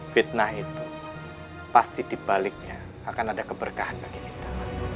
fitnah itu pasti dibaliknya akan ada keberkahan bagi kita